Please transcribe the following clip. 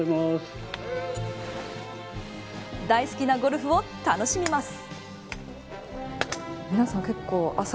大好きなゴルフを楽しみます。